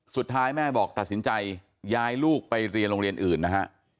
สุดท้ายแม่บอกตัดสินใจย้ายลูกไปเรียนโรงเรียนอื่นนะฮะ